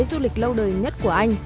du lịch lâu đời nhất của anh